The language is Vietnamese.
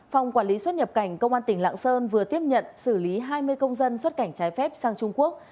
phòng quản lý xuất nhập cảnh công an tỉnh lạng sơn vừa tiếp nhận xử lý hai mươi công dân xuất cảnh trái phép sang trung quốc